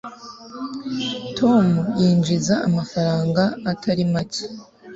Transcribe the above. tom yinjiza amafaranga atari make